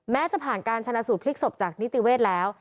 จะผ่านการชนะสูตรพลิกศพจากนิติเวศแล้ว